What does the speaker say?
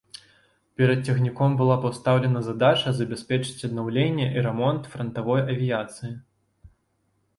Перад цягніком была пастаўлена задача забяспечыць аднаўленне і рамонт франтавой авіяцыі.